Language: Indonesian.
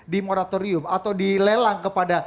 di moratorium atau dilelang kepada